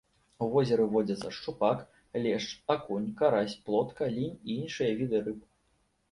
У возеры водзяцца шчупак, лешч, акунь, карась, плотка, лінь і іншыя віды рыб.